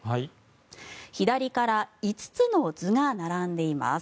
左から５つの図が並んでいます。